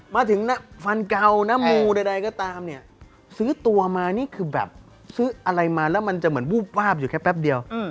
มาถึงฟันเก่านะมูใดก็ตามเนี่ยซื้อตัวมานี่คือแบบซื้ออะไรมาแล้วมันจะเหมือนวูบวาบอยู่แค่แป๊บเดียว